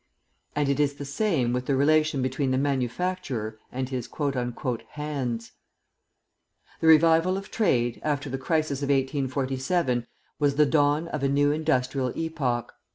And it is the same with the relation between the manufacturer and his "hands." The revival of trade, after the crisis of 1847, was the dawn of a new industrial epoch.